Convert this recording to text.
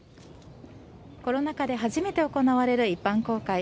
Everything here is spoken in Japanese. コロナ禍で初めて行われる一般公開。